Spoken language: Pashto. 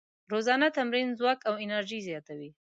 روزانه تمرین د ځواک او انرژۍ زیاتوي.